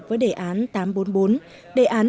với đề án tám trăm bốn mươi bốn